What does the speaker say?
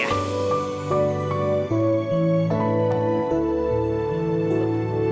aku mau pergi